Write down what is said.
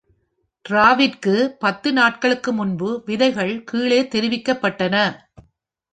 டிராவிற்கு பத்து நாட்களுக்கு முன்பு விதைகள் கீழே தெரிவிக்கப்பட்டன.